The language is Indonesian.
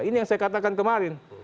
ini yang saya katakan kemarin